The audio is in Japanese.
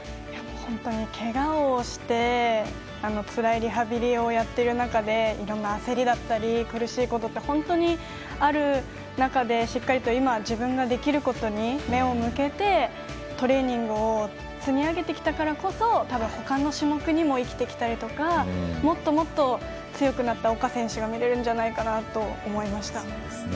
本当にけがをしてつらいリハビリをやっている中でいろんな焦りだったり苦しいことって本当にある中でしっかりと今自分ができることに目を向けて、トレーニングを積み上げてきたからこそ他の種目にも生きてきたりとかもっともっと強くなった岡選手が見れるんじゃないかなと思いました。